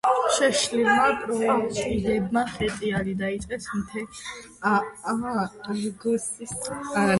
შეშლილმა პროიტიდებმა ხეტიალი დაიწყეს, მთელი არგოსი და პელოპონესი მოიარეს და უდაბნოში წახეტიალდნენ.